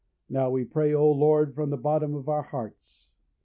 Now we pray, O Lord, from the bottom of our hearts.